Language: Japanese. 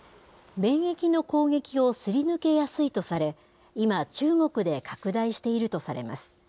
免疫の攻撃をすり抜けやすいとされ、今、中国で拡大しているとされます。